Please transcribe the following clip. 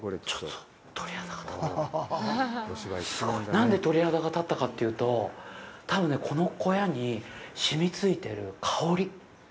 なんで鳥肌が立ったかというと、多分ね、この小屋に染みついてる香り！